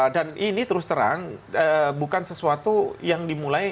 dan ini terus terang bukan sesuatu yang dimulai